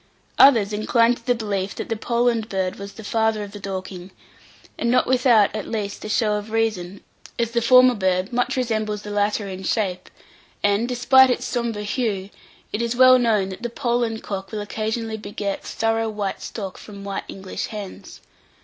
Others inclined to the belief that the Poland bird was the father of the Dorking, and not without at least a show of reason, as the former bird much resembles the latter in shape; and, despite its sombre hue, it is well known that the Poland cock will occasionally beget thorough white stock from white English hens.